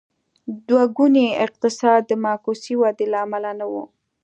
دوه ګونی اقتصاد د معکوسې ودې له امله نه و.